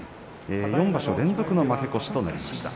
４場所連続の負け越しとなりました。